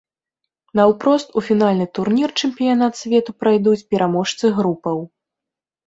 Наўпрост у фінальны турнір чэмпіянат свету прайдуць пераможцы групаў.